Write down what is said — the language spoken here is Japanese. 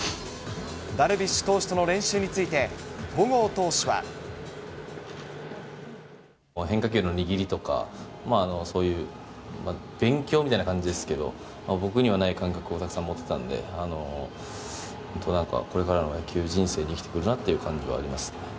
ダルビッシュ投手との練習に変化球の握りとか、そういう勉強みたいな感じですけれども、僕にはない感覚をたくさん持ってたので、これからの野球人生に生きてくるなという感じはあります。